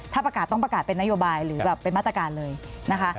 ถ้าประกาศต้องประกาศเป็นนโยบายหรือแบบเป็นมาตรการเลยนะคะ